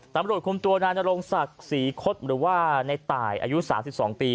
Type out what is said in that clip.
ตำรวจคุมตัวนายนรงศักดิ์ศรีคศหรือว่าในตายอายุ๓๒ปี